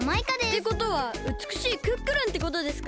ってことはうつくしいクックルンってことですか？